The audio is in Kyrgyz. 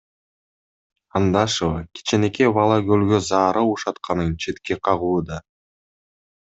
Андашева кичинекей бала көлгө заара ушатканын четке кагууда.